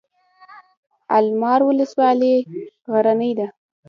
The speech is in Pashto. المار ولسوالۍ غرنۍ ده؟